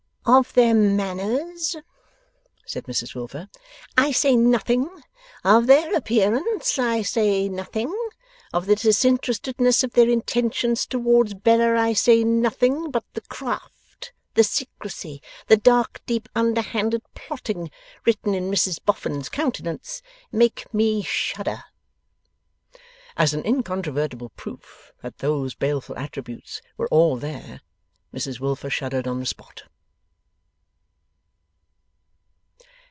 'Of their manners,' said Mrs Wilfer, 'I say nothing. Of their appearance, I say nothing. Of the disinterestedness of their intentions towards Bella, I say nothing. But the craft, the secrecy, the dark deep underhanded plotting, written in Mrs Boffin's countenance, make me shudder.' As an incontrovertible proof that those baleful attributes were all there, Mrs Wilfer shuddered on the spot.